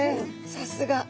さすが。